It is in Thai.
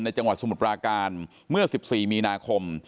จังหวัดสมุทรปราการเมื่อ๑๔มีนาคม